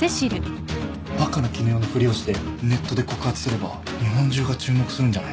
若菜絹代のふりをしてネットで告発すれば日本中が注目するんじゃないの？